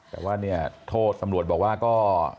แต่ว่าเนี่ยโทษตำรวจบอกว่าก็